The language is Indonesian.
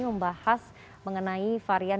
membahas mengenai varian